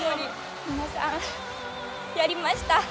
皆さんやりました。